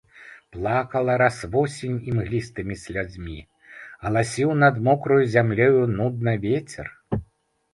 Плакала раз восень імглістымі слязьмі, галасіў над мокраю зямлёю нудна вецер.